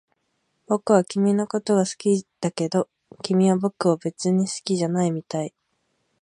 僕は君のことが好きだけど、君は僕を別に好きじゃないみたい